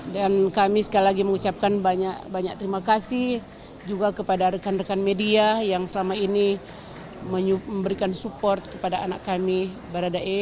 dan kami sekali lagi mengucapkan banyak terima kasih juga kepada rekan rekan media yang selama ini memberikan support kepada anak kami baradae